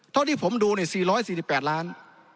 เท่าที่ผมดูเนี่ย๔๔๘ล้าน